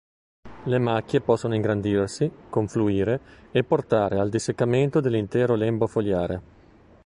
Le macchie possono ingrandirsi, confluire e portare al disseccamento dell'intero lembo fogliare.